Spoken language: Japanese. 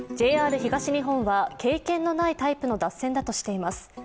ＪＲ東日本は、経験のないタイプの脱線だとしています。